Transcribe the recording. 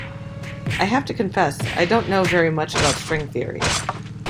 I have to confess I don't know very much about string theory.